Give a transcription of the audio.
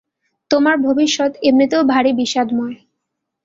তোমার ভবিষ্যত এমনিতেও ভারি বিষাদময়।